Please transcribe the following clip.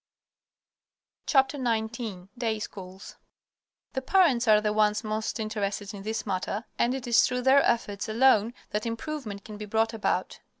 XIX DAY SCHOOLS The parents are the ones most interested in this matter, and it is through their efforts alone that improvement can be brought about.